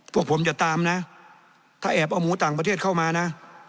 พวกผมจะตามนะถ้าแอบเอาหมูต่างประเทศเข้ามานะ